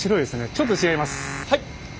ちょっと違います。